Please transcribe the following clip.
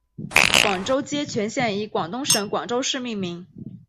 广州街全线以广东省广州市命名。